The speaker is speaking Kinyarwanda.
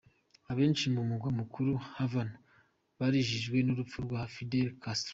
Abenshi mu mugwa mukuru Havana barijijwe n'urupfu rwa Fidel Castro.